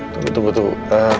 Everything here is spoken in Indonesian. tunggu tunggu tunggu